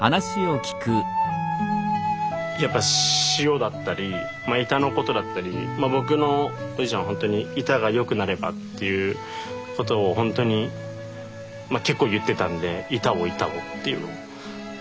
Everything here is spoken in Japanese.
やっぱ塩だったり井田のことだったり僕のおじいちゃんはほんとに井田が良くなればっていうことをほんとにまあ結構言ってたんで井田を井田をっていうのを。